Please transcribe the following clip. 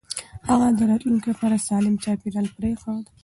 هغه د راتلونکي لپاره سالم چاپېريال پرېښود.